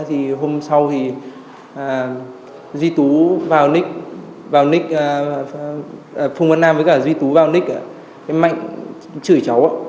hôm sau thì duy tú vào nick phương văn nam với cả duy tú vào nick em mạnh chửi cháu